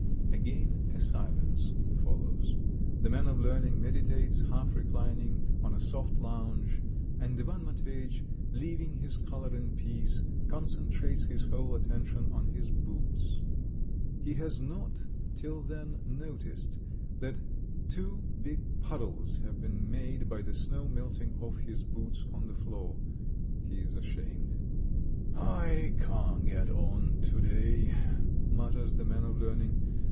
Again a silence follows. The man of learning meditates, half reclining on a soft lounge, and Ivan Matveyitch, leaving his collar in peace, concentrates his whole attention on his boots. He has not till then noticed that two big puddles have been made by the snow melting off his boots on the floor. He is ashamed. "I can't get on to day ..." mutters the man of learning.